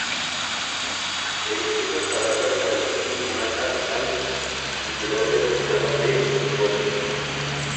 Ante esas palabras Valentine mata al Inquisidor en la Sala de Acuerdos.